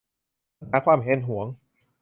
ปัญหาความแหนหวง